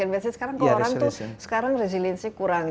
biasanya sekarang ke orang tuh sekarang resiliensinya kurang